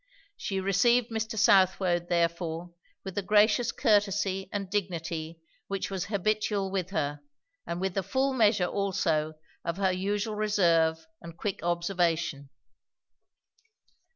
She received Mr. Southwode therefore with the gracious courtesy and dignity which was habitual with her, and with the full measure also of her usual reserve and quick observation.